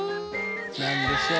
なんでしょう？